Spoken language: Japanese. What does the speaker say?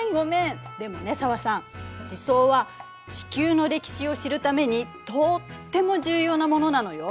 でもね紗和さん地層は地球の歴史を知るためにとっても重要なものなのよ。